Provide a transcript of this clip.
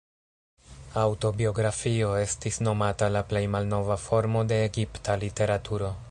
Aŭtobiografio estis nomata la plej malnova formo de egipta literaturo.